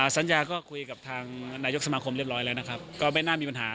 สัญญาก็คุยกับทางนายกสมาคมเรียบร้อยแล้วนะครับก็ไม่น่ามีปัญหา